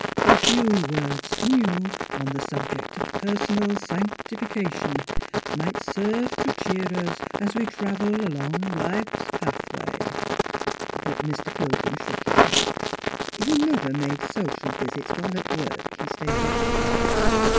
" A few words from you on the subject of personal sanctification might serve to cheer us as we travel along life's pathway." But Mr. Pilgrim shook his head. He never NEIGHBORS 233 made social visits while at work, he stated.